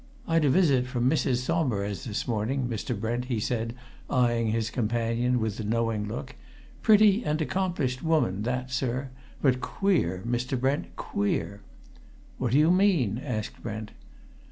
"I'd a visit from Mrs. Saumarez this morning, Mr. Brent," he said, eyeing his companion with a knowing look. "Pretty and accomplished woman, that, sir; but queer, Mr. Brent, queer!" "What do you mean?" asked Brent.